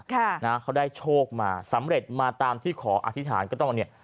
ค่ะนะเขาได้โชคมาสำเร็จมาตามที่ขออธิษฐานก็ต้องเนี่ย